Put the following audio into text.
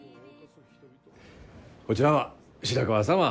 こちらは白川様。